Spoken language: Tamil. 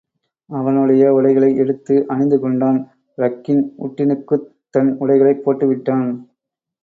அவனுடைய உடைகளை எடுத்து அணிந்து கொண்டான் ரக்கின் உட்டினுக்குத் தன் உடைகளைப் போட்டு விட்டான்.